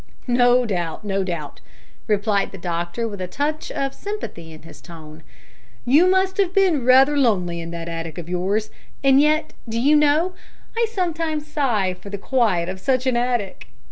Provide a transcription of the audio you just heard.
"No doubt, no doubt," replied the doctor, with a touch of sympathy in his tone. "You must have been rather lonely in that attic of yours. And yet do you know, I sometimes sigh for the quiet of such an attic!